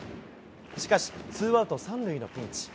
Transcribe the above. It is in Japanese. しかし、ツーアウト３塁のピンチ。